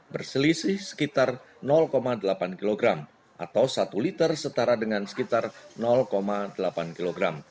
berselisih sekitar delapan kg atau satu liter setara dengan sekitar delapan kg